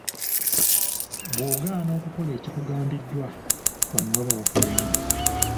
Bw'ogaana okukola ekikugambiddwa wano waba wakulemye.